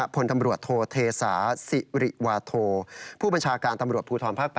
พลตำรวจโทเทศาสิริวาโทผู้บัญชาการตำรวจภูทรภาค๘